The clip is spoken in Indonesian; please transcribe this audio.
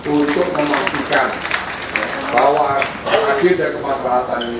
untuk memastikan bahwa agenda kemaslahatan ini